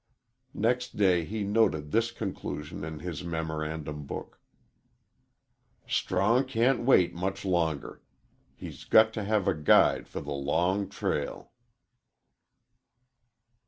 Next day he noted this conclusion in his memorandum book: _"Strong cant wait much longer. He's got to have a guide for the long trail."